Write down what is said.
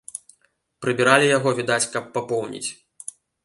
Прыбіралі яго, відаць, каб папоўніць.